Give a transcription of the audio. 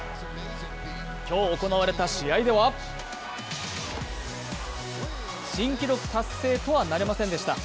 今日行われた試合では、新記録達成とはなりませんでした。